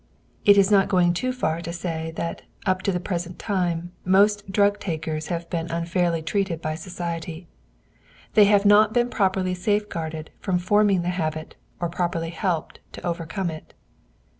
It is not going too far to say that up to the present time most drug takers have been unfairly treated by society. They have not been properly safeguarded from forming the habit or properly helped to overcome it.